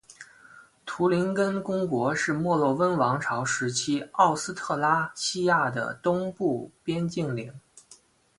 图林根公国是墨洛温王朝时期奥斯特拉西亚的东部边境领。